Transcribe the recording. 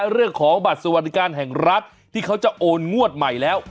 เรื่องของบัตรสวัสดิการแห่งรัฐที่เขาจะโอนงวดใหม่แล้ว